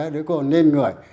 đứa con nên người